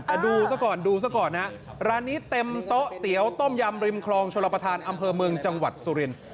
แต่ดูซะก่อนดูซะก่อนนะฮะร้านนี้เต็มโต๊ะเตี๋ยวต้มยำริมคลองชลประธานอำเภอเมืองจังหวัดสุรินทร์